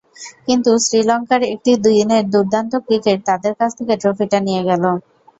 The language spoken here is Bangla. কিন্তু শ্রীলঙ্কার একটি দিনের দুর্দান্ত ক্রিকেট তাদের কাছ থেকে ট্রফিটা নিয়ে গেল।